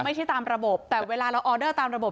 ตามระบบแต่เวลาเราออเดอร์ตามระบบ